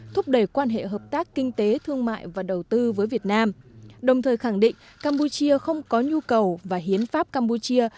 thúc đẩy quan hệ hợp tác kinh tế thương mại và đầu tư với việt nam đồng thời khẳng định campuchia không có nhu cầu và hiến pháp campuchia